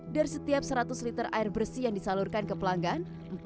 dari setiap seratus liter air bersih yang disalurkan ke pelanggan